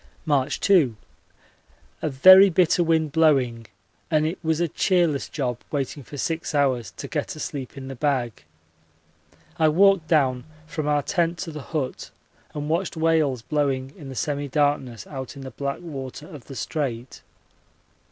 March 2. A very bitter wind blowing and it was a cheerless job waiting for six hours to get a sleep in the bag. I walked down from our tent to the hut and watched whales blowing in the semi darkness out in the black water of the Strait.